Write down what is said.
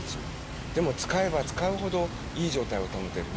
でも使えば使うほどいい状態を保てる。